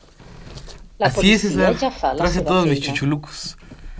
La policia ja fa la seva feina.